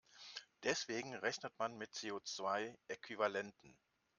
Deswegen rechnet man mit CO-zwei-Äquivalenten.